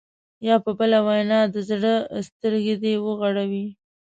یا په بله وینا د زړه سترګې دې وغړوي.